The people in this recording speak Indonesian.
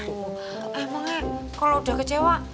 emangnya kalo udah kecewa